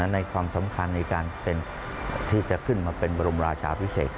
ในความสำคัญในการเป็นที่จะขึ้นมาเป็นบรมราชาพิเศษ